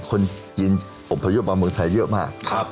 คนจีนอบพยพมาเมืองไทยเยอะมาก